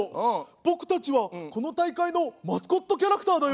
僕たちはこの大会のマスコットキャラクターだよ」。